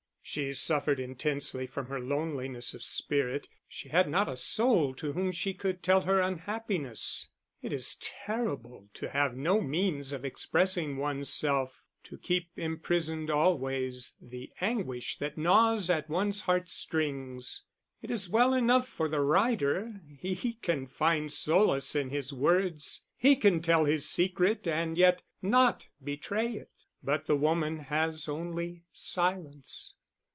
She suffered intensely from her loneliness of spirit, she had not a soul to whom she could tell her unhappiness. It is terrible to have no means of expressing oneself, to keep imprisoned always the anguish that gnaws at one's heart strings. It is well enough for the writer, he can find solace in his words, he can tell his secret and yet not betray it: but the woman has only silence.